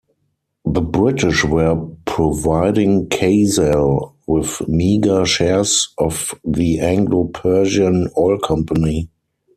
The British were providing Khaz'al with meager shares of the Anglo-Persian Oil Company.